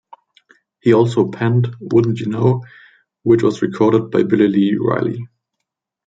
He also penned "Wouldn't You Know", which was recorded by Billy Lee Riley.